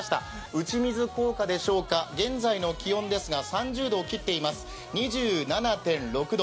打ち水効果でしょうか、現在の気温ですが３０度を切っています、２７．６度。